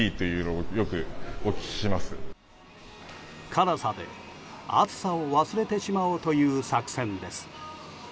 辛さで暑さを忘れてしまおうという作戦です。